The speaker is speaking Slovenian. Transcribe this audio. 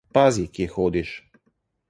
Pazi, kje hodiš!